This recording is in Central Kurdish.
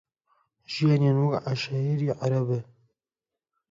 ژیانیان وەک عەشایری عەرەبە